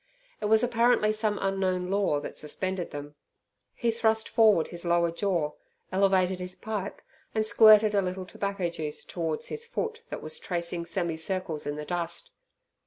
It was apparently some unknown law that suspended them. He thrust forward his lower jaw, elevated his pipe, and squirted a little tobacco juice towards his foot that was tracing semicircles in the dust.